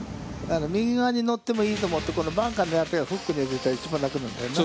右側に乗ってもいいと思って、バンカーを狙ってフックで行ったら一番楽なんだよな。